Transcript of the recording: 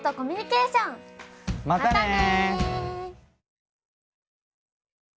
またね！